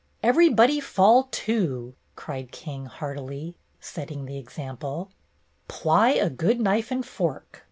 " Everybody fall to !" cried King, heartily, setting the example. "Ply a good knife and fork!"